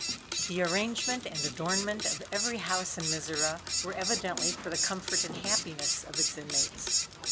The arrangement and adornment of every house in Mizora were evidently for the comfort and happiness of its inmates.